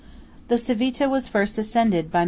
The Civita was first ascended by Mr. F.